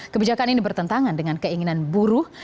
kebijakan ini bertentangan dengan keinginan buruh